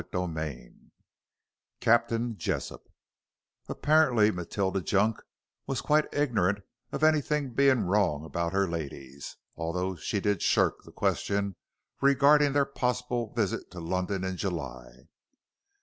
CHAPTER XIX CAPTAIN JESSOP Apparently Matilda Junk was quite ignorant of anything being wrong about her ladies, although she did shirk the question regarding their possible visit to London in July.